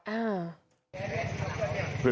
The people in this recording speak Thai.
อ่า